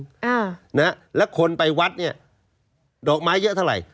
อ่านะฮะแล้วคนไปวัดเนี่ยดอกไม้เยอะเท่าไหร่